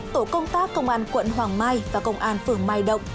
tổ công tác công an quận hoàng mai và công an phường mai động